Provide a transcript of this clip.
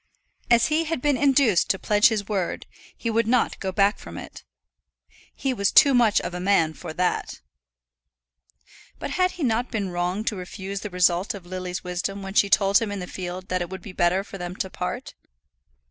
As he had been induced to pledge his word, he would not go back from it. He was too much of a man for that! But had he not been wrong to refuse the result of Lily's wisdom when she told him in the field that it would be better for them to part?